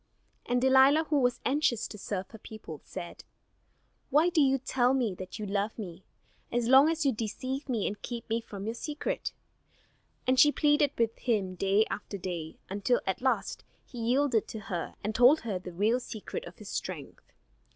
And Delilah, who was anxious to serve her people, said: "Why do you tell me that you love me, as long as you deceive me and keep from me your secret?" And she pleaded with him day after day, until at last he yielded to her and told her the real secret of his strength.